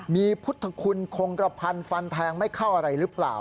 มีพุทธคุณคงกระพันธ์ฟันแทงไม่เข้าอะไรหรือเปล่า